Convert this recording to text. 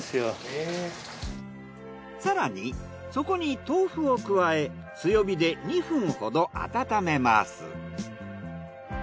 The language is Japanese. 更にそこに豆腐を加え強火で２分ほど温めます。